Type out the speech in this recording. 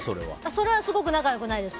それはすごく仲良くないです。